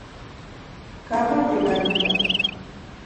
გამარჯობა, ნიკა